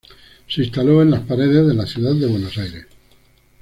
Se instaló en las paredes de la Ciudad de Buenos Aires.